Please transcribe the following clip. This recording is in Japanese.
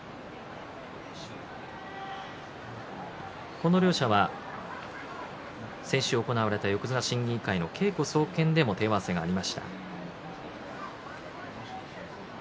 この両者は、先週行われた横綱審議委員会の稽古総見でも手合わせが行われました。